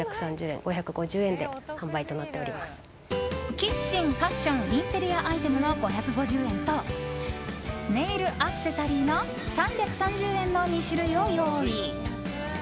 キッチン・ファッション・インテリアアイテムの５５０円とネイル・アクセサリーの３３０円の２種類を用意。